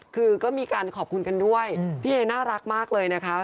คือก็มีการขอบคุณกันด้วยพี่เอน่ารักมากเลยนะคะ